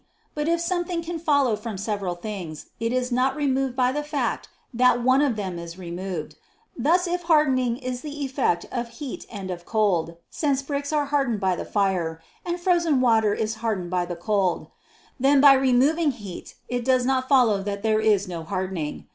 But if something can follow from several things, it is not removed by the fact that one of them is removed; thus if hardening is the effect of heat and of cold (since bricks are hardened by the fire, and frozen water is hardened by the cold), then by removing heat it does not follow that there is no hardening.